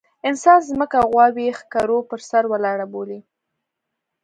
انسان ځمکه غوايي ښکرو پر سر ولاړه بولي.